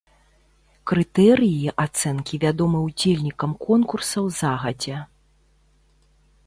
Крытэрыі ацэнкі вядомы ўдзельнікам конкурсаў загадзя.